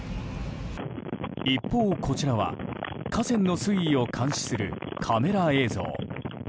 一方、こちらは河川の水位を監視するカメラ映像。